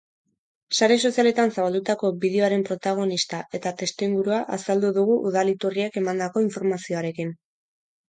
Sare sozialetan zabaldutako bideoaren protagonista eta testuingurua azaldu dugu udal iturriek emandako informazioarekin.